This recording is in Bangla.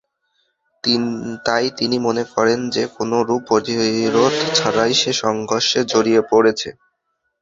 তাই তিনি মনে করেন যে, কোনরূপ প্রতিরোধ ছাড়াই সে সংঘর্ষে জড়িয়ে পড়েছে।